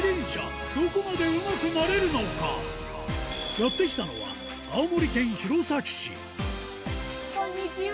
やって来たのはこんにちは。